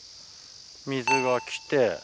水が来て。